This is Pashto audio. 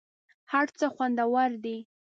هر څه خوندور دي .